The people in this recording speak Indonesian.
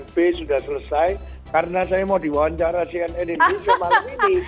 b sudah selesai karena saya mau diwawancara cnn indonesia malam ini